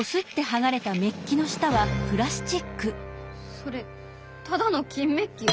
それただの金メッキ？